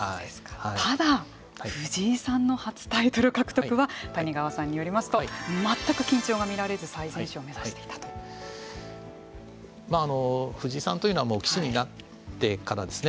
ただ、藤井さんの初タイトル獲得は谷川さんによりますと全く緊張が見られず藤井さんというのは棋士になってからですね